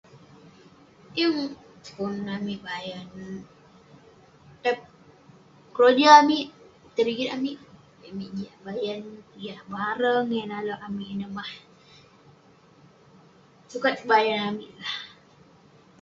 Yeng pun amik bayan. Tai- keroja amik, pitah rigit amik. Ayuk amik jiak bayan yak barang yah nale' amik ineh mah. Sukat kebayan amik lah.